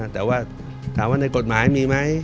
แต่ว่าถามว่าในกฎหมายมีไหม